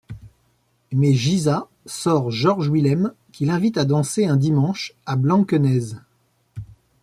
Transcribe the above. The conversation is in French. Mais Gisa sort Georg Willem qui l'invite à danser un dimanche à Blankenese.